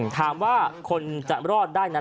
ถามว่าคนจะรอดได้นั้น